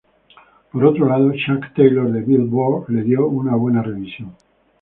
Por otro lado, Chuck Taylor de "Billboard" le dio una buena revisión.